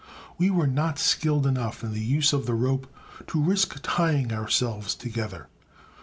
We were not skilled enough in the use of the rope to risk tying ourselves together.